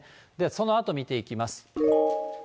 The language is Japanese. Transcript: そのあと見ていきます。